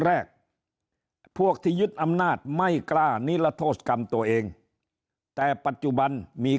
แรกพวกที่ยึดอำนาจไม่กล้านิรโทษกรรมตัวเองแต่ปัจจุบันมี